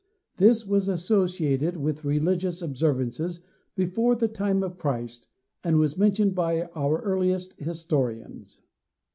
This was associated with religious observances before the time of Christ and was mentioned by our earliest historians.